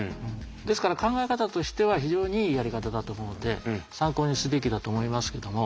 ですから考え方としては非常にいいやり方だと思うんで参考にすべきだと思いますけども。